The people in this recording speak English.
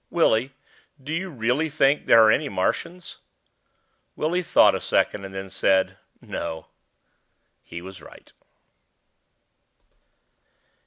Willie, do you really think there are any Martians?" Willie thought a second and then said, "No." He was right.